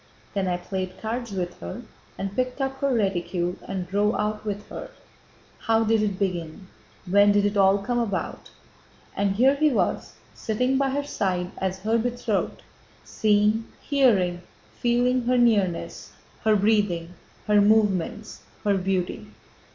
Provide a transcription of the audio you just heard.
Then I played cards with her and picked up her reticule and drove out with her. How did it begin, when did it all come about?" And here he was sitting by her side as her betrothed, seeing, hearing, feeling her nearness, her breathing, her movements, her beauty.